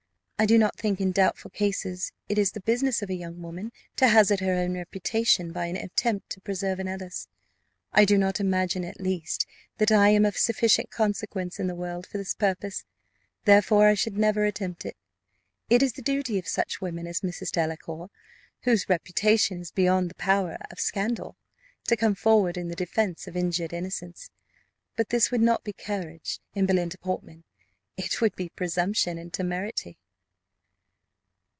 I do not think that in doubtful cases it is the business of a young woman to hazard her own reputation by an attempt to preserve another's: I do not imagine, at least, that I am of sufficient consequence in the world for this purpose; therefore I should never attempt it. It is the duty of such women as Mrs. Delacour, whose reputation is beyond the power of scandal, to come forward in the defence of injured innocence; but this would not be courage in Belinda Portman, it would be presumption and temerity."